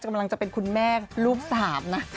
กำลังจะเป็นคุณแม่ลูก๓นะ